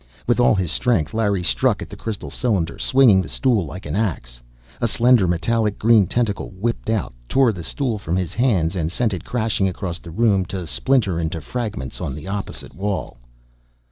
With all his strength, Larry struck at the crystal cylinder, swinging the stool like an ax. A slender, metallic green tentacle whipped out, tore the stool from his hands, and sent it crashing across the room, to splinter into fragments on the opposite wall.